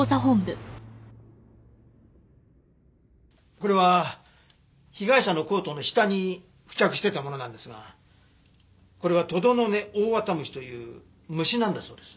これは被害者のコートの下に付着していたものなんですがこれはトドノネオオワタムシという虫なんだそうです。